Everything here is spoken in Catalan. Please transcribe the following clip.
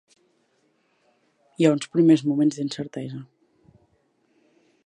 Hi ha uns primers moments d'incertesa.